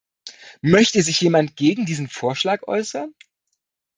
Möchte sich jemand gegen diesen Vorschlag äußern?